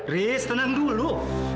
riz tenang dulu